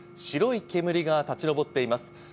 白い煙が立ち上っています。